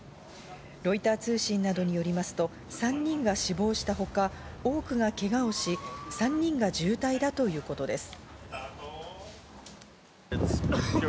ロイター通信などによりますと、３人が死亡したほか、多くがケガをし、３人が重体だということです。